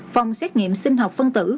phòng xét nghiệm sinh học phân tử